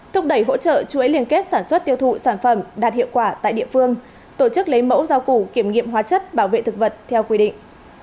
thúc đẩy hỗ trợ chuỗi liên kết sản xuất tiêu thụ sản phẩm đạt hiệu quả tại địa phương tổ chức lấy mẫu rau củ kiểm nghiệm hóa chất bảo vệ thực vật theo quy định